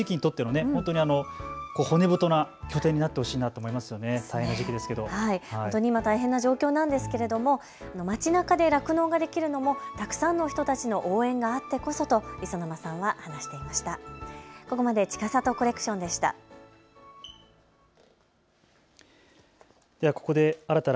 今、大変な状況なんですけれども街なかで酪農ができるのもたくさんの人たちの応援があってからこそだと磯沼さんは話していました。